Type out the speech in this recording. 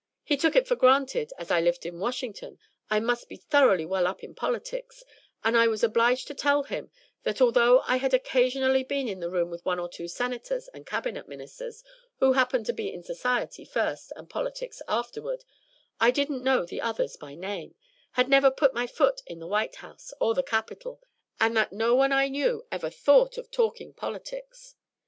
He took for granted, as I lived in Washington, I must be thoroughly well up in politics, and I was obliged to tell him that although I had occasionally been in the room with one or two Senators and Cabinet Ministers, who happened to be in Society first and politics afterward, I didn't know the others by name, had never put my foot in the White House or the Capitol, and that no one I knew ever thought of talking politics.